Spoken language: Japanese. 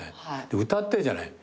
で歌ってるじゃない。